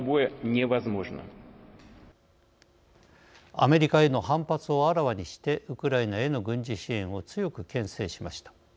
アメリカへの反発をあらわにしてウクライナへの軍事支援を強くけん制しました。